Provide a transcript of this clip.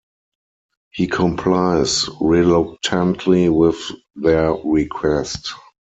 He complies reluctantly with their request.